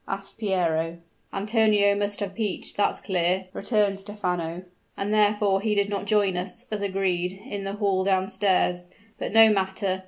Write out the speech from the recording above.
asked Piero. "Antonio must have peached, that's clear!" returned Stephano; "and therefore he did not join us, as agreed, in the hall down stairs. But no matter.